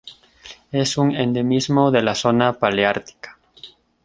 Es un endemismo de la zona paleártica.